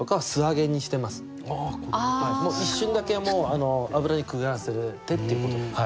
もう一瞬だけ油にくぐらせるっていうことです。